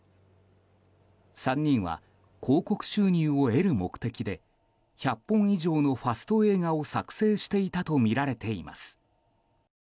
３人は広告収入を得る目的で１００本以上のファスト映画を作製していたとみられています。